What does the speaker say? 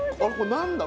何だ？